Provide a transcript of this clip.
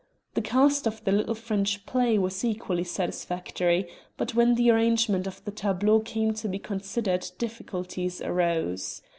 The cast of the little French play was equally satisfactory; but when the arrangement of the tableaux came to be considered difficulties arose.